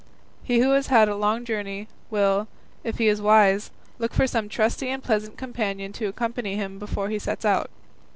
He who has to make a long journey, will, if he is wise, look out for some trusty and pleasant companion to accompany him before he sets out.